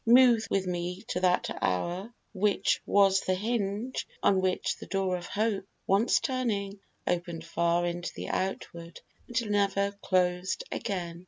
Move with me to that hour, Which was the hinge on which the door of Hope, Once turning, open'd far into the outward, And never closed again.